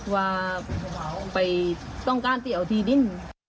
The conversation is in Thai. ว่าไปต้องการที่เอาที่ดิน